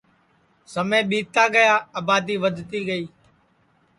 سمے ٻیتا گیا آبادی ودھتی گئی اور یہ ٻڈؔا جیناور جِدؔا بھنس ہوئی گی